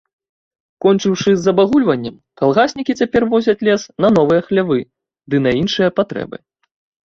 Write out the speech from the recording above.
Кончыўшы з абагульваннем, калгаснікі цяпер возяць лес на новыя хлявы ды на іншыя патрэбы.